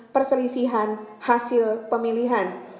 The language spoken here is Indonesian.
perselisihan hasil pemilihan